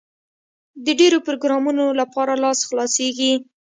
د ډېرو پروګرامونو لپاره لاس خلاصېږي.